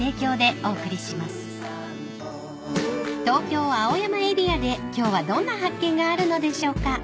［東京青山エリアで今日はどんな発見があるのでしょうか］